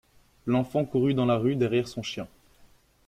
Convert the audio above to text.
L'enfant courut dans la rue derrière son chien.